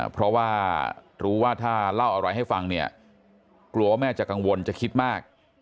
เพราะว่ารู้ว่าถ้าเล่าอะไรให้ฟังเนี่ยกลัวว่าแม่จะกังวลจะคิดมาก